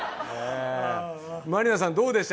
満里奈さん、どうでした？